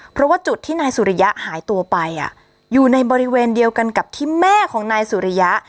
เพราะว่าจุดที่นายสุริยะหายตัวไปอยู่ในบริเวณเดียวกันกับที่แม่ของนายสุริยะ